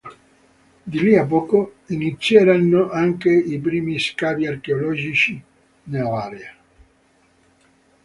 Di lì a poco inizieranno anche i primi scavi archeologici nell'area.